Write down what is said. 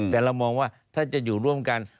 แต่เรามองว่าถ้าจะอยู่ร่วมกัน